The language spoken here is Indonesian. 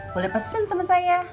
boleh pesen sama saya